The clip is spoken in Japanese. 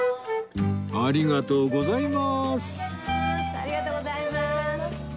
ありがとうございます。